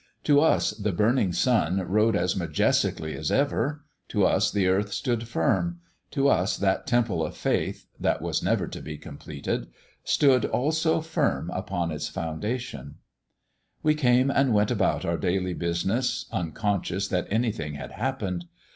To us the burning sun rode as majestically as ever; to us the earth stood firm; to us that Temple of Faith (that was never to be completed) stood also firm upon its foundations. We came and went about our daily business, unconscious that anything had happened.